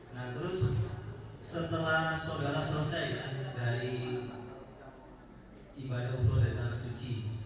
nah terus setelah saudara selesai dari ibadah umroh dari tanah suci